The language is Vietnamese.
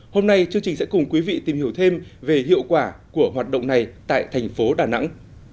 hôm nay chương trình sẽ cùng quý vị tìm hiểu thêm về hiệu quả của hoạt động này tại thành phố đà nẵng